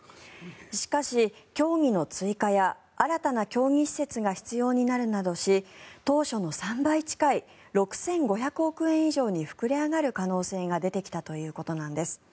しかし、競技の追加や新たな競技施設が必要になるなどし当初の３倍近い６５００億円以上に膨れ上がる可能性が出てきたということなんです。